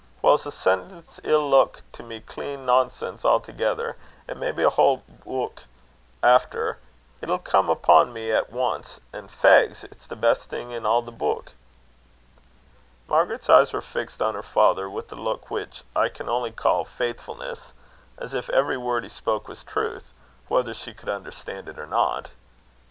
Whiles a sentence 'ill leuk to me clean nonsense a'thegither; an' maybe a haill ook efter, it'll come upo' me a' at ance; an' fegs! it's the best thing in a' the beuk." Margaret's eyes were fixed on her father with a look which I can only call faithfulness, as if every word he spoke was truth, whether she could understand it or not.